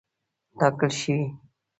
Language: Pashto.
ټاکل شوې.